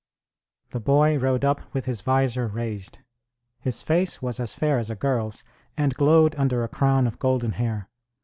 The boy rode up with his visor raised, his face was as fair as a girl's, and glowed under a crown of golden hair.